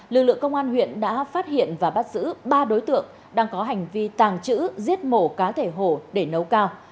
lực lượng công an huyện đã phát hiện và bắt giữ ba đối tượng đang có hành vi tàng trữ giết mổ cá thể hổ để nấu cao